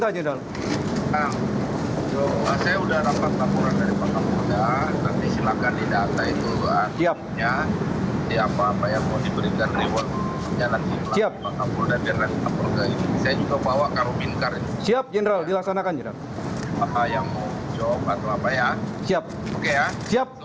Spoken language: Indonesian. kasat intel forestama langkota iya ya